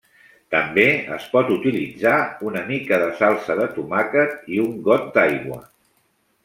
També es pot utilitzar una mica de salsa de tomàquet i un got d'aigua.